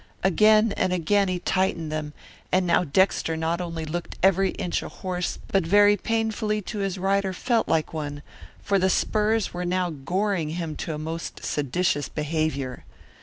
Again and again he tightened them, and now Dexter not only looked every inch a horse but very painfully to his rider felt like one, for the spurs were goring him to a most seditious behavior.